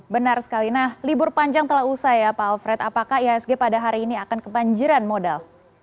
benar sekali nah libur panjang telah usai ya pak alfred apakah ihsg pada hari ini akan kebanjiran modal